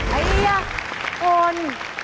เฮ่ยโฟน